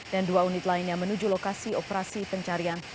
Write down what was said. dan dua unit lainnya menuju lokasi operasi pencarian